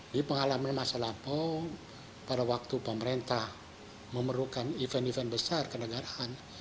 di pengalaman masa lampau pada waktu pemerintah memerlukan event event besar kenegaraan